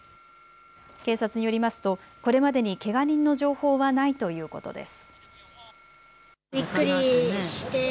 警察によりますとこれまでにけが人の情報はないということです。